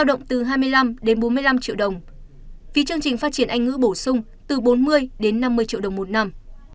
phí chương trình phát triển anh ngữ bổ sung từ bốn mươi đến năm mươi triệu đồng một năm